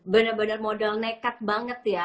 bener bener modal nekat banget ya